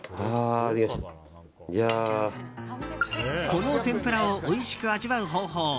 この天ぷらをおいしく味わう方法